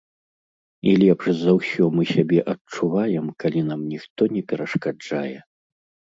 І лепш за ўсё мы сябе адчуваем, калі нам ніхто не перашкаджае.